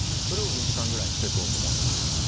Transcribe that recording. それを２時間ぐらいにしてどんと出すっていう。